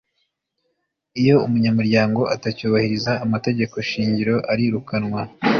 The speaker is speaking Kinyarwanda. iyo umunyauryango atacyubahiriza amategeko shingiro arirukanwa